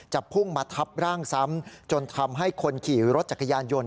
พุ่งมาทับร่างซ้ำจนทำให้คนขี่รถจักรยานยนต